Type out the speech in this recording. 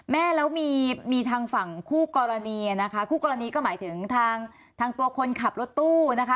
แม่แล้วมีมีทางฝั่งคู่กรณีนะคะคู่กรณีก็หมายถึงทางตัวคนขับรถตู้นะคะ